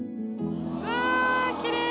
うわきれい！